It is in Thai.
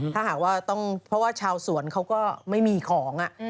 ถ้าหากว่าต้องเพราะว่าชาวสวนเขาก็ไม่มีของ